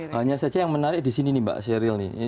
hanya saja yang menarik disini nih mbak seril nih